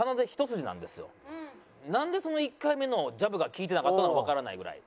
なんでその１回目のジャブが効いてなかったのかわからないぐらい。